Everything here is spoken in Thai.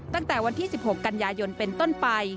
ตั้งแต่วันที่๑๖กันยายนเป็นต้นไป